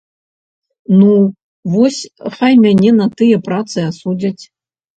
Ну, вось хай мяне на тыя працы асудзяць.